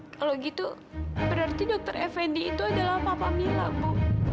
kalau gitu berarti dokter effendi itu adalah papa mila bu